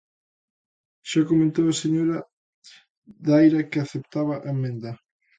Xa comentou a señora Daira que aceptaba a emenda.